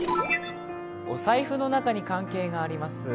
お財布の中に関係があります。